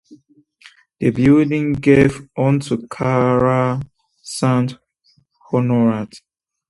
This building gave onto Carrer Sant Honorat.